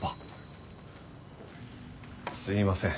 すいません。